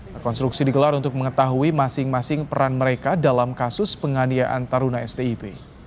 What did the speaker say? rekonstruksi digelar untuk mengetahui masing masing peran mereka dalam kasus penganiaan taruna stip